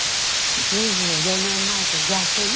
２４年前と逆ね。